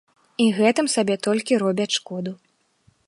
І гэтым сабе толькі робяць шкоду.